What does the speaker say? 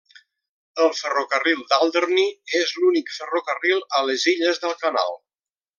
El Ferrocarril d'Alderney, és l'únic ferrocarril a les Illes del Canal.